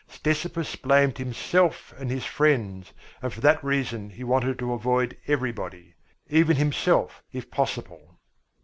Ctesippus blamed himself and his friends, and for that reason he wanted to avoid everybody even himself, if possible.